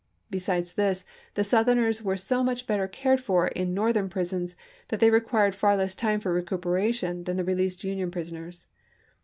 Besides this, the Southerners were so much better cared for in Northern prisons that they required far less time for recuperation than Rep0rt on the released Union prisoners.